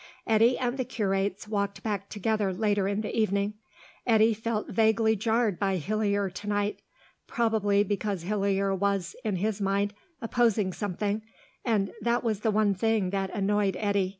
Eddy and the curates walked back together later in the evening. Eddy felt vaguely jarred by Hillier to night; probably because Hillier was, in his mind, opposing something, and that was the one thing that annoyed Eddy.